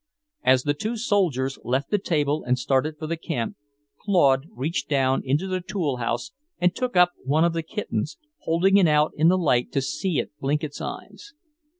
As the two soldiers left the table and started for the camp, Claude reached down into the tool house and took up one of the kittens, holding it out in the light to see it blink its eyes.